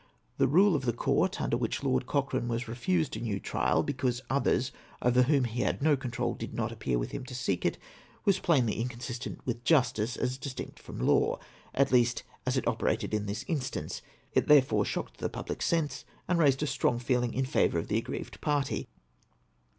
The rule of the court, under which Lord Cochrane Avas refused a new trial, because others over whom he had no control did not appear with him to seek it, was plainly in consistent with justice as distinct from law — at least, as it operated in this instance; it therefore shocked the public sense, and raised a strong feeling in favour of the aggrieved party.